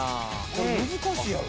「これ難しいやろ？」